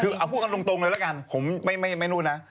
คือเอาพูดกันตรงเลยละกันผมไม่นู่นนะ